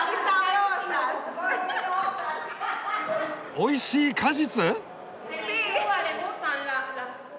おいしい果実！？